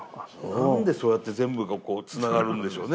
何でそうやって全部がこうつながるんでしょうね